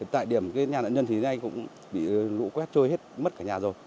tại điểm nhà nạn nhân thì đến nay cũng bị lũ quét trôi hết mất cả nhà rồi